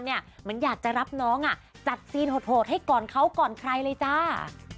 เหมือนอยากจะรับน้องจัดซีนโหดให้ก่อนเขาก่อนใครเลยจ้า